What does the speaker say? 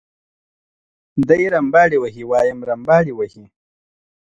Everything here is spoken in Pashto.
دی رمباړې وهي وایم رمباړې وهي.